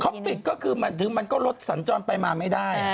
เขาปิดก็คือหลับถึงมันรถสันจรไปมาไม่ได้